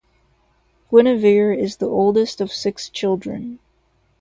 Guinevere is the oldest of six children.